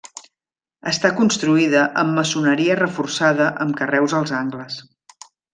Està construïda amb maçoneria reforçada amb carreus als angles.